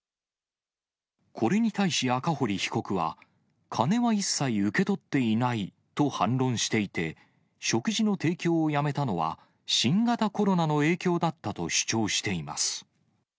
これに対し、赤堀被告は、金は一切受け取っていないと反論していて、食事の提供をやめたのは、新型コロナの影響だったと主張しています。